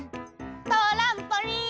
トランポリン！